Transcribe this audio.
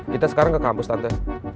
kita sekarang ke kampus tante